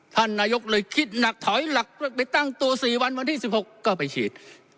ท่านนายกเลยคิดหนักถอยหลังไปตั้งตัว๔วันวันที่๑๖ก็ไปฉีด